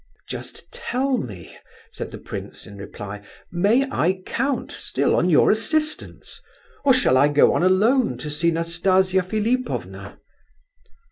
"Just tell me," said the prince in reply, "may I count still on your assistance? Or shall I go on alone to see Nastasia Philipovna?"